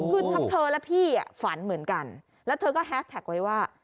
คือทั้งเธอและพี่ฝันเหมือนกันแล้วเธอก็แฮสแท็กไว้ว่า